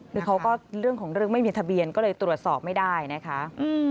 คือเขาก็เรื่องของเรื่องไม่มีทะเบียนก็เลยตรวจสอบไม่ได้นะคะ